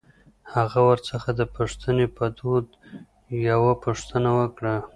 هغه ورڅخه د پوښتنې په دود يوه پوښتنه وکړه.